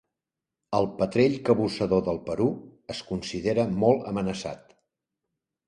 El petrell cabussador del Perú es considera molt amenaçat.